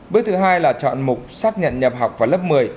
bước thứ hai là chọn mục xác nhận nhập học vào lớp một mươi